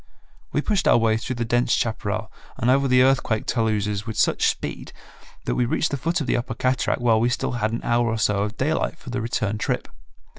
We pushed our way through the dense chaparral and over the earthquake taluses with such speed that we reached the foot of the upper cataract while we had still an hour or so of daylight for the return trip.